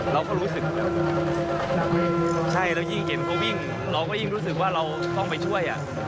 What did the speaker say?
เราก็รู้สึกใช่แล้วยิ่งเห็นเขาวิ่งเราก็ยิ่งรู้สึกว่าเราต้องไปช่วย